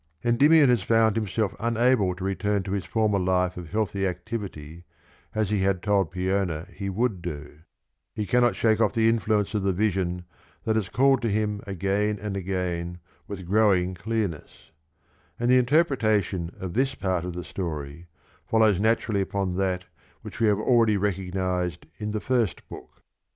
Endymion has found himself unable to return to his former life of healthy activity as he had told Peona he would do; he cannot shake off the influence of the vision that has called to him again and again with growing clearness; and the interpretation of this part of the story follows naturally upon that which we have already recognised in the first book.